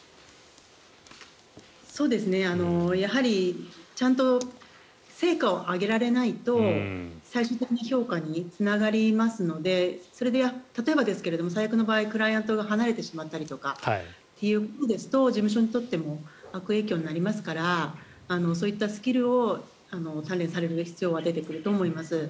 やはりちゃんと成果を上げられないと最終的な評価につながりますのでそれで例えばですが最悪の場合クライアントが離れてしまったりということですと事務所にとっても悪影響になりますからそういったスキルを鍛錬される必要は出てくると思います。